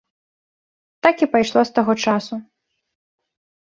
Так і пайшло з таго часу.